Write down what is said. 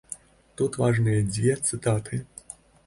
Тут важныя дзве цытаты.